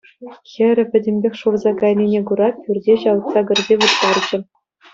Хӗрӗ пӗтӗмпех шурса кайнине кура пӳрте ҫавӑтса кӗрсе вырттарччӗ.